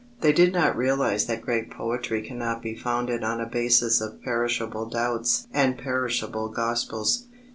They did not realize that great poetry cannot be founded on a basis of perishable doubts and perishable gospels.